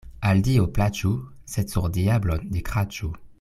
Al Dio plaĉu, sed sur diablon ne kraĉu.